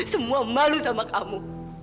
semua malu sama kamu